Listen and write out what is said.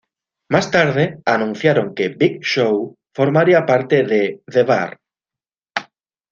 Más tarde, anunciaron que Big Show formaría parte de The Bar.